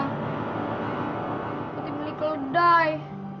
seperti beli kedai